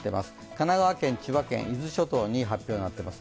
神奈川県、千葉県、伊豆諸島に発表になってます。